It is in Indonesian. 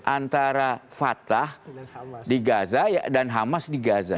antara fatah di gaza dan hamas di gaza